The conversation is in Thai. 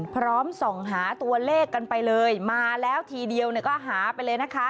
พร้อมส่องหาตัวเลขกันไปเลยมาแล้วทีเดียวเนี่ยก็หาไปเลยนะคะ